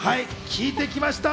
聞いてきました。